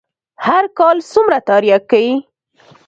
هر کال څومره ترياک کيي.